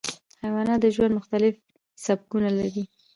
حیوانات د ژوند مختلف سبکونه لري.